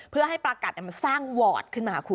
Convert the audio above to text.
เพื่อให้ประกัดมันสร้างวอร์ดขึ้นมาคุณ